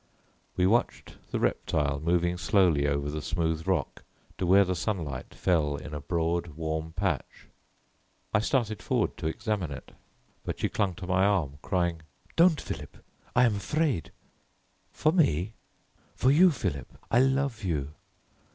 We watched the reptile moving slowly over the smooth rock to where the sunlight fell in a broad warm patch. I started forward to examine it, but she clung to my arm crying, "Don't, Philip, I am afraid." "For me?" "For you, Philip, I love you."